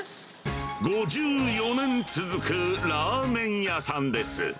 ５４年続くラーメン屋さんです。